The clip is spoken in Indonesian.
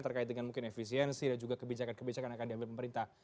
terkait dengan mungkin efisiensi dan juga kebijakan kebijakan yang akan diambil pemerintah